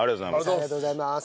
ありがとうございます。